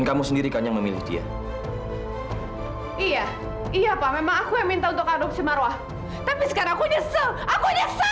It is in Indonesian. tapi sekarang aku nyesel aku nyesel